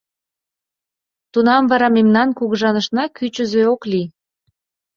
Тунам вара мемнан кугыжанышна кӱчызӧ ок лий.